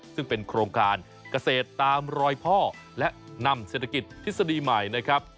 ซึ่งเป็นโครงการเกษตรตามรอยพ่อและนำเศรษฐกิจทฤษฎีใหม่นะครับ